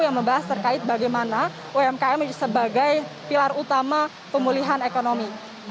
yang membahas terkait bagaimana umkm sebagai pilar utama pemulihan ekonomi